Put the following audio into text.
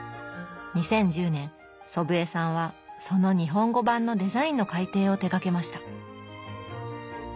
２０１０年祖父江さんはその日本語版のデザインの改訂を手がけました。